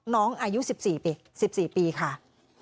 น้องอายุ๑๔ปีค่ะ